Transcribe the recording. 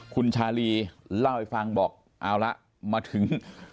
คุณชาลีเล่าให้ฟังบอกเอาละมาถึง